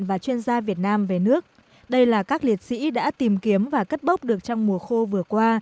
và chuyên gia việt nam về nước đây là các liệt sĩ đã tìm kiếm và cất bốc được trong mùa khô vừa qua